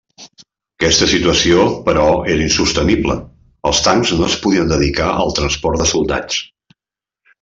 Aquesta situació però era insostenible, els tancs no es podien dedicar al transport de soldats.